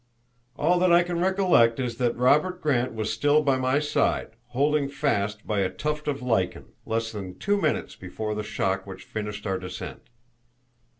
"All that I can recollect is that Robert Grant was still by my side, holding fast by a tuft of lichen, less than two minutes before the shock which finished our descent."